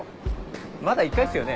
まだ１回っすよね？